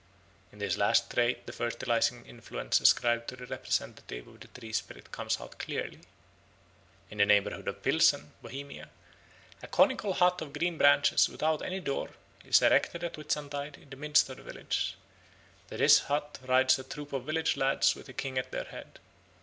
In this last trait the fertilising influence ascribed to the representative of the tree spirit comes out clearly. In the neighbourhood of Pilsen (Bohemia) a conical hut of green branches, without any door, is erected at Whitsuntide in the midst of the village. To this hut rides a troop of village lads with a king at their head.